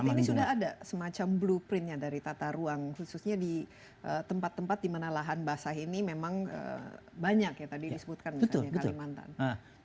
tapi ini sudah ada semacam blueprintnya dari tata ruang khususnya di tempat tempat di mana lahan basah ini memang banyak ya tadi disebutkan misalnya kalimantan